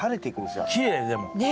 きれいでも。